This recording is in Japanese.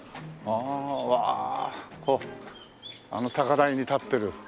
あの高台に立ってる。